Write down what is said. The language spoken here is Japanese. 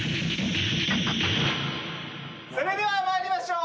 それでは参りましょう。